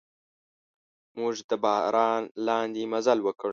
موږ د باران لاندې مزل وکړ.